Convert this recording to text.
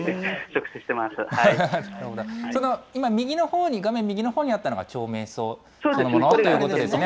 今、右のほうに、画面右のほうにあったのが長命草、そのものということですが。